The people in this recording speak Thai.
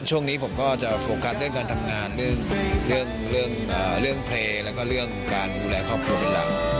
ช่วงนี้ผมก็จะโฟกัสเรื่องการทำงานเรื่องเพลงแล้วก็เรื่องการดูแลครอบครัวเป็นหลัก